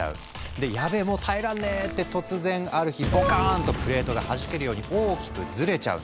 で「ヤベェもう耐えらんねぇ」って突然ある日ボカーンとプレートがはじけるように大きくズレちゃうの。